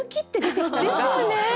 ですよね！